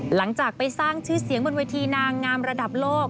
หลังจากไปสร้างชื่อเสียงบนเวทีนางงามระดับโลก